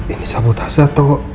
ini sabotase atau